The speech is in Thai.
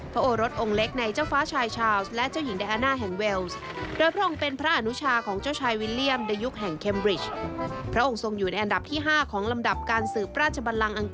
ไปติดตามกันครับ